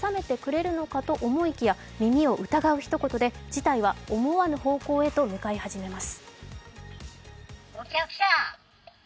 事を収めてくれるのかと思いきや耳を疑うひと言で事態は思わぬ方向へと向かい始めます。